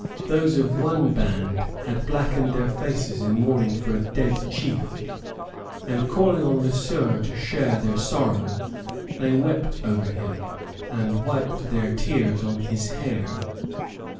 Those of one band had blackened their faces in mourning for a dead chief, and calling on Le Sueur to share their sorrow, they wept over him, and wiped their tears on his hair.